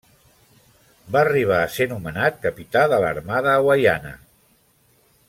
Va arribar a ser nomenat capità de l'armada hawaiana.